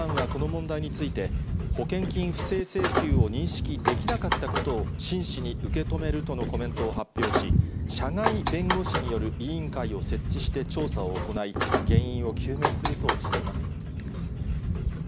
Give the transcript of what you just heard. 損保ジャパンはこの問題について、保険金不正請求を認識できなかったことを真摯に受け止めるとのコメントを発表し、社外弁護士による委員会を設置して調査を行い、洗っても落ちない